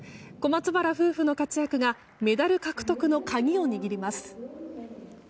小松原夫婦の活躍がメダル獲得の鍵を握ります。